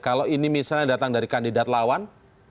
kalau ini misalnya datang dari kandidat lawan